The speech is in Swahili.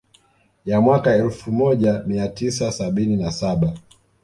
Ya mwaka elfu moja mia tisa sabini na saba